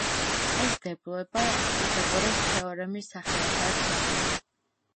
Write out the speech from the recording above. ეს დებულება პითაგორას თეორემის სახელითაა ცნობილი.